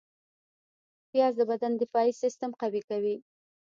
پیاز د بدن دفاعي سیستم قوي کوي